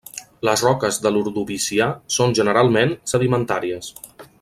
Les roques de l'Ordovicià són generalment sedimentàries.